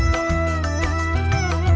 terima kasih ya